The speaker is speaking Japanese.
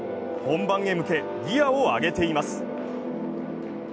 本番へ向け、ギヤを上げています。